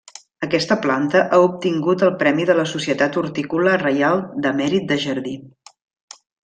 Aquesta planta ha obtingut el premi de la Societat Hortícola Reial de Mèrit de Jardí.